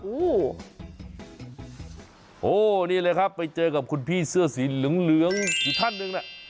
โอ้โหนี่เลยครับไปเจอกับคุณพี่เสื้อสีเหลืองเหลืองอยู่ท่านหนึ่งน่ะ